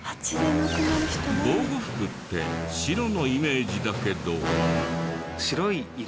防護服って白のイメージだけど。